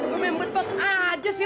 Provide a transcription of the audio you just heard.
ma ma gue mau betot aja sih